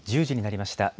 １０時になりました。